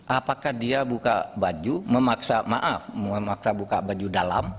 apakah dia buka baju memaksa maaf memaksa buka baju dalam